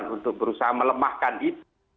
untuk berusaha melemahkan itu